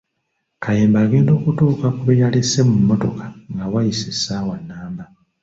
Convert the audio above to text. Kayemba agenda okutuuka ku be yalese mu mmotoka nga wayise essaawa nnamba.